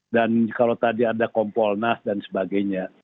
dan kalau tadi ada kompolnas dan sebagainya